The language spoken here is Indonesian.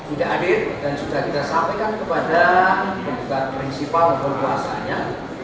sudah ada dan sudah kita sampaikan kepada pendukat prinsipal dan penguasanya